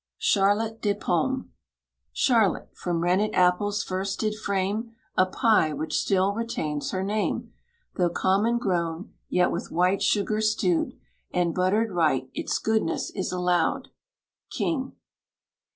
CHARLOTTE DES POMMES. Charlotte, from rennet apples first did frame A pie, which still retains her name. Though common grown, yet with white sugar stewed, And butter'd right, its goodness is allowed. KING.